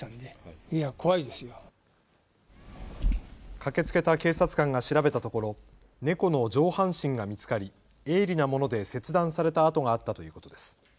駆けつけた警察官が調べたところ、猫の上半身が見つかり鋭利なもので切断された痕があったということです。